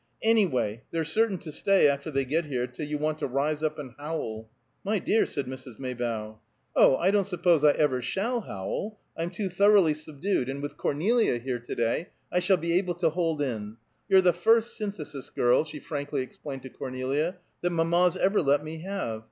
Anyway, they're certain to stay, after they get here, till you want to rise up and howl." "My dear!" said Mrs. Maybough. "Oh, I don't suppose I ever shall howl. I'm too thoroughly subdued; and with Cornelia here to day I shall be able to hold in. You're the first Synthesis girl," she frankly explained to Cornelia, "that mamma's ever let me have.